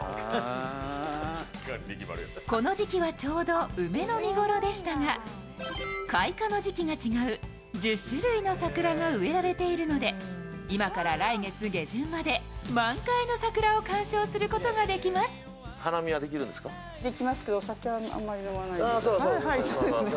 この時期はちょうど梅の見頃でしたが、開花の時期が違う１０種類の桜が植えられているので今から来月下旬まで満開の桜を観賞することができます。